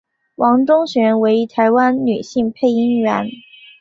王中璇为台湾女性配音员。